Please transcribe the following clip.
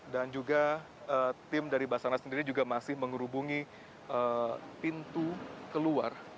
dan juga tim dari basana sendiri juga masih menghubungi pintu keluar